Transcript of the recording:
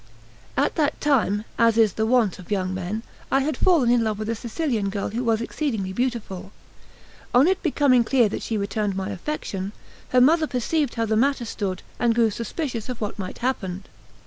At that time, as is the wont of young men, I had fallen in love with a Sicilian girl, who was exceedingly beautiful. On it becoming clear that she returned my affection, her mother perceived how the matter stood, and grew suspicious of what might happen.